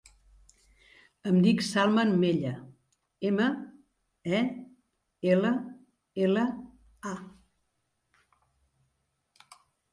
Em dic Salman Mella: ema, e, ela, ela, a.